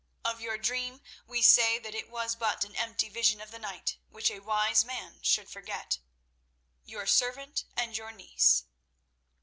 Of your dream we say that it was but an empty vision of the night which a wise man should forget.—Your servant and your niece."